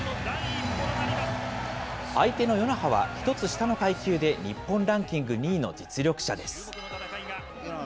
相手の与那覇は１つ下の階級で日本ランキング２位の実力者です。